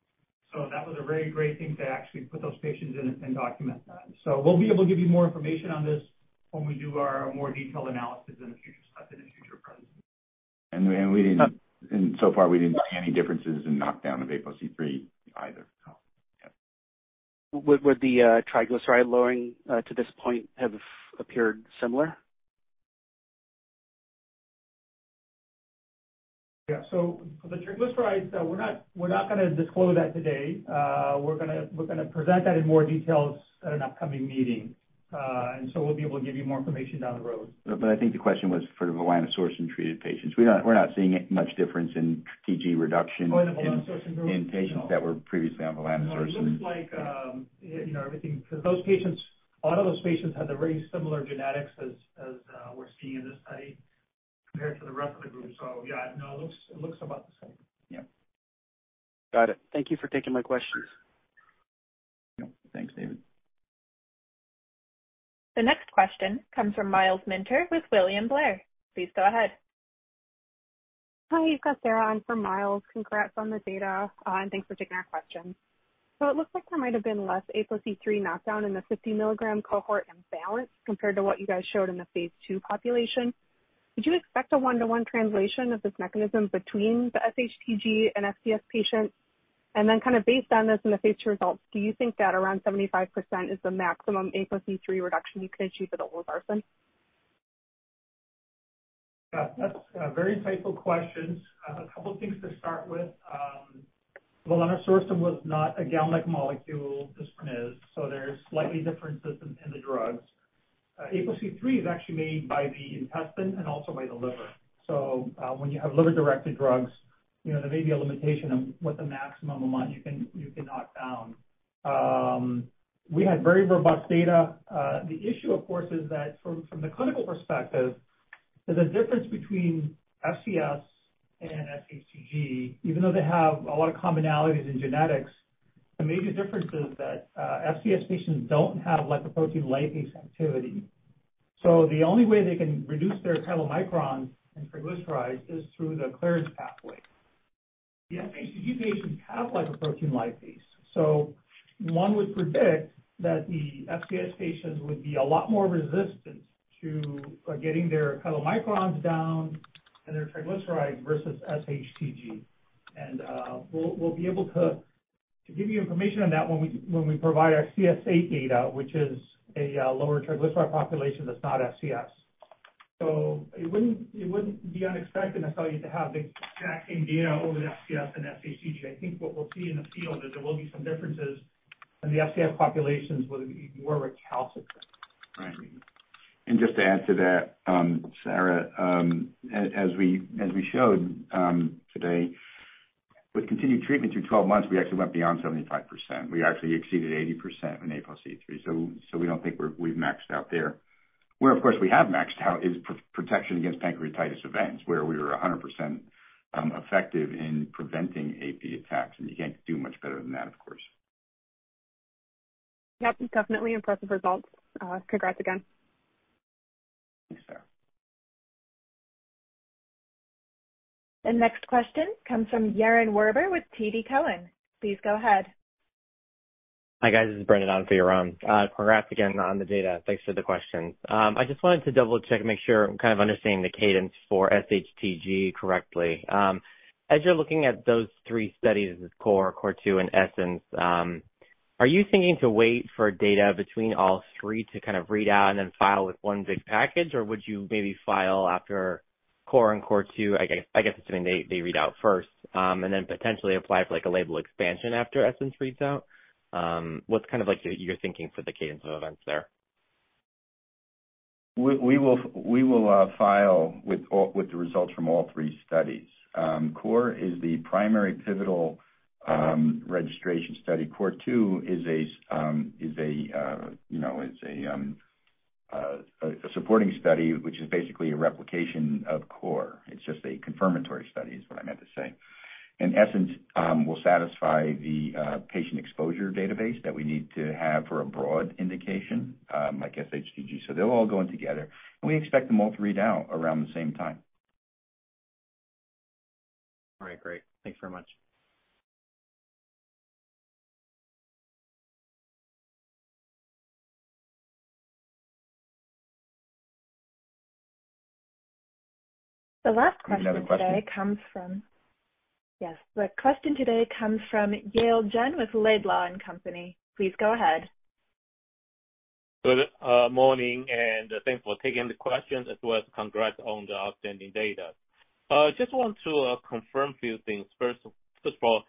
S4: so that was a very great thing to actually put those patients in and document that. So we'll be able to give you more information on this when we do our more detailed analysis in the future, in a future presentation.
S3: So far, we didn't see any differences in knockdown of ApoC-III either, so.
S12: .Would the triglyceride lowering to this point have appeared similar?
S4: Yeah. So for the triglycerides, we're not, we're not gonna disclose that today. We're gonna, we're gonna present that in more details at an upcoming meeting. And so we'll be able to give you more information down the road.
S3: I think the question was for the volanesorsen-treated patients. We're not, we're not seeing much difference in TG reduction-
S4: For the volanesorsen group.
S3: in patients that were previously on volanesorsen.
S4: It looks like, you know, for those patients, a lot of those patients had a very similar genetics as we're seeing in this study compared to the rest of the group. So, yeah, no, it looks, it looks about the same. Yeah.
S12: Got it. Thank you for taking my questions.
S3: Yep. Thanks, David.
S1: The next question comes from Miles Minter with William Blair. Please go ahead.
S13: Hi, you've got Sarah on for Miles. Congrats on the data, and thanks for taking our questions. It looks like there might have been less ApoC-III knockdown in the 50-milligram cohort in BALANCE compared to what you guys showed in the phase II population. Did you expect a 1-to-1 translation of this mechanism between the sHTG and FCS patients? And then kind of based on this in the phase II results, do you think that around 75% is the maximum ApoC-III reduction you could achieve with olezarsen?
S4: Yeah, that's very insightful questions. A couple of things to start with. volanesorsen was not a GalNAc molecule. This one is, so there's slightly differences in the drugs. ApoC-III is actually made by the intestine and also by the liver. So, when you have liver-directed drugs, you know, there may be a limitation of what the maximum amount you can knock down. We had very robust data. The issue, of course, is that from the clinical perspective, there's a difference between FCS and sHTG, even though they have a lot of commonalities in genetics. The major difference is that FCS patients don't have lipoprotein lipase activity, so the only way they can reduce their chylomicrons and triglycerides is through the clearance pathway. The sHTG patients have lipoprotein lipase, so one would predict that the FCS patients would be a lot more resistant to getting their chylomicrons down and their triglycerides versus sHTG. And, we'll, we'll be able to, to give you information on that when we, when we provide our CS8 data, which is a lower triglyceride population that's not FCS. So it wouldn't, it wouldn't be unexpected, I thought, you'd have the exact same data over the FCS and sHTG. I think what we'll see in the field is there will be some differences, and the FCS populations will be more recalcitrant.
S3: Right. And just to add to that, Sarah, as we showed today, with continued treatment through 12 months, we actually went beyond 75%. We actually exceeded 80% in ApoC-III, so we don't think we've maxed out there. Where, of course, we have maxed out is protection against pancreatitis events, where we were 100% effective in preventing AP attacks, and you can't do much better than that, of course.
S13: Yep, definitely impressive results. Congrats again.
S3: Thanks, Sarah.
S1: The next question comes from Yaron Werber with TD Cowen. Please go ahead.
S14: Hi, guys. This is Brendan on for Yaron. Congrats again on the data. Thanks for the questions. I just wanted to double-check and make sure I'm kind of understanding the cadence for sHTG correctly. As you're looking at those three studies, CORE, CORE2, and ESSENCE, are you thinking to wait for data between all three to kind of read out and then file with one big package? Or would you maybe file after CORE and CORE2? I guess, I guess assuming they, they read out first, and then potentially apply for, like, a label expansion after ESSENCE reads out. What's kind of like your, your thinking for the cadence of events there?
S3: We will file with the results from all three studies. CORE is the primary pivotal registration study. CORE2 is a supporting study, which is basically a replication of CORE. It's just a confirmatory study, is what I meant to say. And ESSENCE will satisfy the patient exposure database that we need to have for a broad indication, like sHTG. So they'll all go in together, and we expect them all to read out around the same time.
S14: All right, great. Thanks very much.
S1: The last question today comes from-
S3: We have a question?
S1: Yes, the question today comes from Yale Jen with Laidlaw and Company. Please go ahead.
S15: Good morning, and thanks for taking the questions, as well as congrats on the outstanding data. Just want to confirm a few things. First, first of all,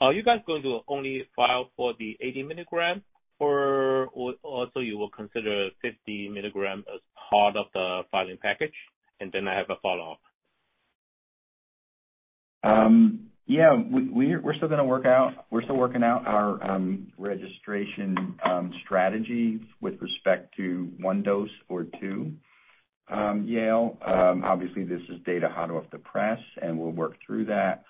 S15: are you guys going to only file for the 80 milligram, or also you will consider 50 milligram as part of the filing package? And then I have a follow-up.
S3: Yeah, we're still working out our registration strategy with respect to one dose or two, Yale. Obviously, this is data hot off the press, and we'll work through that,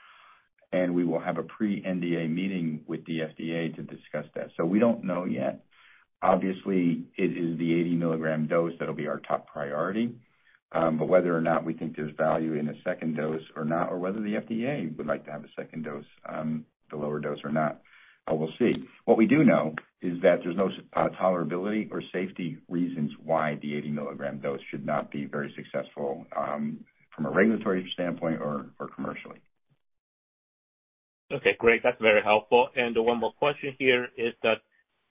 S3: and we will have a pre-NDA meeting with the FDA to discuss that. So we don't know yet. Obviously, it is the 80-milligram dose that'll be our top priority, but whether or not we think there's value in a second dose or not, or whether the FDA would like to have a second dose, the lower dose or not, but we'll see. What we do know is that there's no tolerability or safety reasons why the 80-milligram dose should not be very successful from a regulatory standpoint or commercially.
S15: Okay, great. That's very helpful. And one more question here is that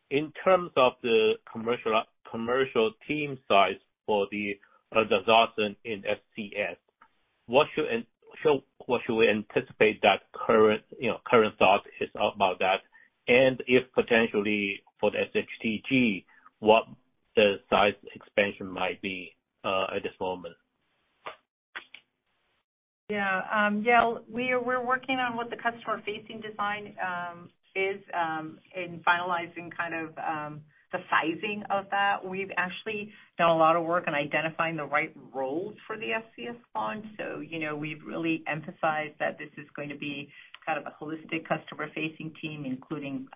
S15: in terms of the commercial, commercial team size for the olezarsen in FCS, what should we anticipate that current, you know, current thought is about that? And if potentially for the sHTG, what the size expansion might be, at this moment?
S5: Yeah. Yale, we're working on what the customer-facing design is and finalizing kind of the sizing of that. We've actually done a lot of work on identifying the right roles for the FCS launch. So, you know, we've really emphasized that this is going to be kind of a holistic customer-facing team, including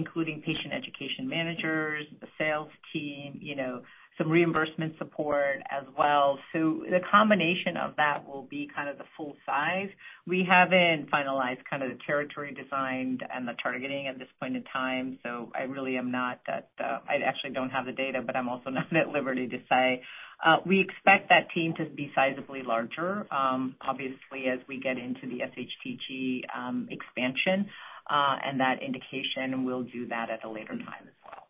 S5: patient education managers, the sales team, you know, some reimbursement support as well. So the combination of that will be kind of the full size. We haven't finalized kind of the territory design and the targeting at this point in time, so I really am not at the... I actually don't have the data, but I'm also not at liberty to say. We expect that team to be sizably larger, obviously, as we get into the sHTG expansion, and that indication, we'll do that at a later time as well.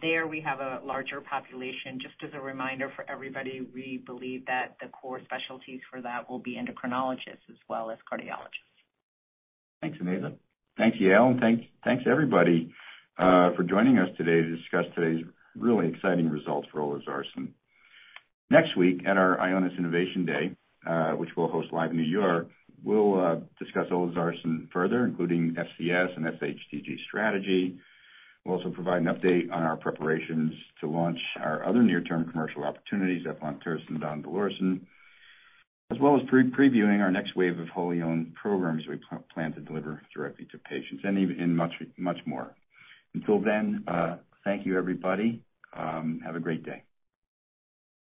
S5: There, we have a larger population. Just as a reminder for everybody, we believe that the core specialties for that will be endocrinologists as well as cardiologists.
S3: Thanks, Onaiza. Thanks, Yale, and thanks, everybody, for joining us today to discuss today's really exciting results for olezarsen. Next week, at our Ionis Innovation Day, which we'll host live in New York, we'll discuss olezarsen further, including FCS and sHTG strategy. We'll also provide an update on our preparations to launch our other near-term commercial opportunities, eplontersen and donidalorsen, as well as pre-previewing our next wave of wholly owned programs we plan to deliver directly to patients, and even, and much, much more. Until then, thank you, everybody. Have a great day.